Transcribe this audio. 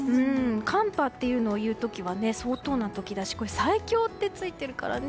寒波っていうのを言う時は相当な時だし最強ってついてるからね。